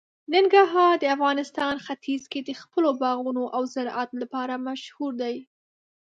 ننګرهار د افغانستان ختیځ کې د خپلو باغونو او زراعت لپاره مشهور دی.